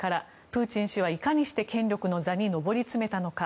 プーチン氏はいかにして権力の座に上り詰めたのか。